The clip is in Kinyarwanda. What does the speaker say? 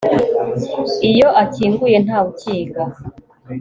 iyo akinguye ntawe ukinga